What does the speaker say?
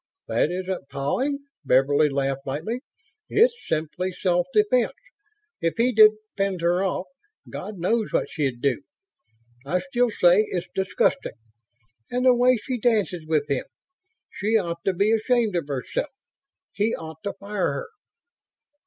"That isn't pawing," Beverly laughed lightly. "It's simply self defense. If he didn't fend her off, God knows what she'd do. I still say it's disgusting. And the way she dances with him! She ought to be ashamed of herself. He ought to fire her."